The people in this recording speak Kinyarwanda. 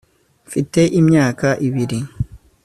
mfite imyaka ibiri